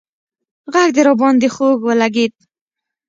غږ دې راباندې خوږ ولگېد